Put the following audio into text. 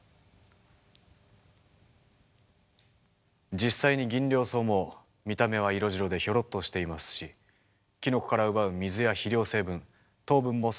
実際にギンリョウソウも見た目は色白でひょろっとしていますしキノコから奪う水や肥料成分糖分もそこまでたんまりではありません。